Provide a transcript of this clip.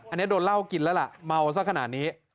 อันนี้โดนเหล้ากินแล้วล่ะเมาสักขนาดนี้